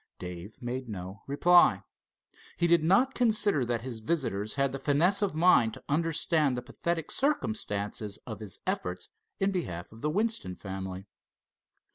Dave made no reply. He did not consider that his visitors had the fineness of mind to understand the pathetic circumstances of his efforts in behalf of the Winston family.